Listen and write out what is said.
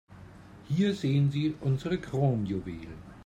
Hier sehen Sie unsere Kronjuwelen.